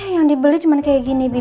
yang dibeli cuma kayak gini